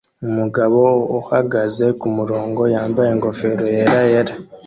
Umugabo uhagaze kumurongo yambaye ingofero yera yera